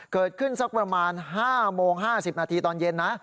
สักประมาณ๕โมง๕๐นาทีตอนเย็นนะ